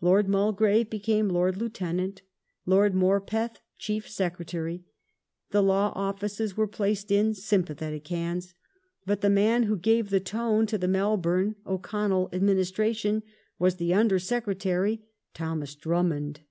Lord 1 Mulgrave became Lord Lieutenant; Lord Morpeth, Chief Secretary; the law offices were placed in "sympathetic" hands, but the man who gave the "tone" to the Melbourne O'Connell administration was the Under Secretary, Thomas Drummond.